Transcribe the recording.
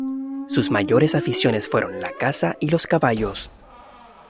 Sus mayores aficiones fueron la caza y los caballos.